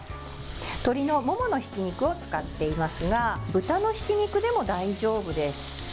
鶏のもものひき肉を使っていますが豚のひき肉でも大丈夫です。